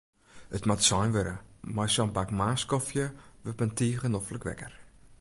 It moat sein wurde, mei sa'n bak moarnskofje wurdt men tige noflik wekker.